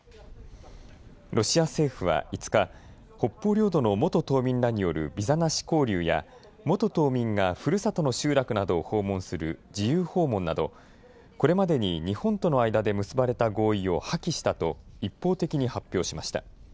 ロシア政府は５日、北方領土の元島民らによるビザなし交流や元島民がふるさとの集落などを訪問する自由訪問などこれまでに日本との間で結ばれた合意を破棄したと一方的に発表しました。